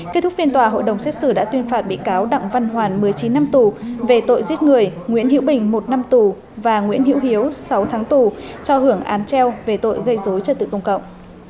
kết thúc phiên tòa hội đồng xét xử đã tuyên phạt bị cáo đặng văn hoàn một mươi chín năm tù về tội giết người nguyễn hữu bình một năm tù và nguyễn hữu hiếu sáu tháng tù cho hưởng án treo về tội gây dối trật tự công cộng